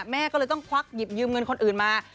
แม่ก็เลยต้องควักหยิบยืมเงินคนอื่นมา